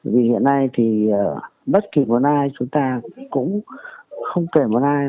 vì hiện nay thì bất kỳ một ai chúng ta cũng không kể một ai